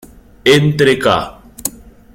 Entre ca.